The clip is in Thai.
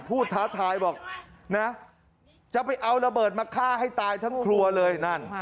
ท้าทายบอกนะจะไปเอาระเบิดมาฆ่าให้ตายทั้งครัวเลยนั่น